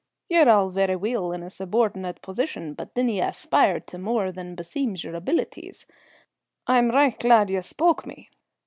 Ye're all verra weel in a subordinate position, but dinna ye aspire to more than beseems your abeelities. I am richt glad ye spoke me.